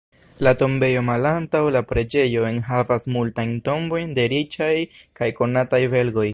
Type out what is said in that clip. La tombejo malantaŭ la preĝejo enhavas multajn tombojn de riĉaj kaj konataj belgoj.